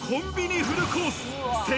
コンビニフルコース１０００